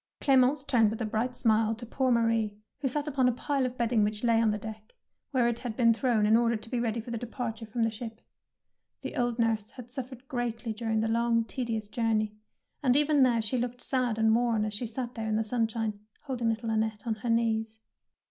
Clemence turned with a bright smile to poor Marie, who sat upon a pile of bedding which lay on the deck, where it had been thrown in order to be ready for departure from the ship. The old nurse had suffered greatly during the 154 THE PEARL NECKLACE long, tedious journey, and even now she looked sad and worn as she sat there in the sunshine, holding little Annette on her knees.